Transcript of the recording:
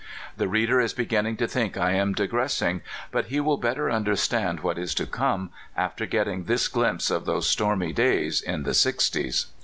The reader is beginning to think I am digressing, but he will better under stand what is to come after getting this glimpse of those stormy days in the sixties.